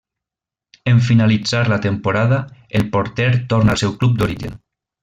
En finalitzar la temporada, el porter torna al seu club d'origen.